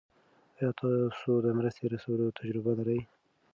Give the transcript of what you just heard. آیا تاسو د مرستې رسولو تجربه لرئ؟